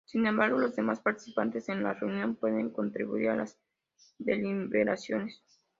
Sin embargo, los demás participantes en la reunión pueden contribuir a las deliberaciones.